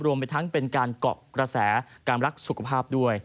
ไปทั้งเป็นการเกาะกระแสการรักสุขภาพด้วย